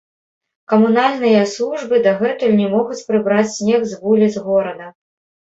Камунальныя службы дагэтуль не могуць прыбраць снег з вуліц горада.